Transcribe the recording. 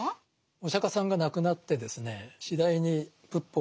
お釈迦さんが亡くなってですね